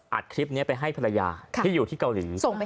คลิปนี้ไปให้ภรรยาที่อยู่ที่เกาหลี